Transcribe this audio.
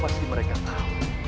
pasti mereka tahu